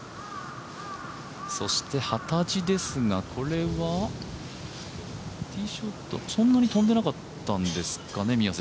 そして幡地ですがこれはティーショットそんなに飛んでなかったんですかね。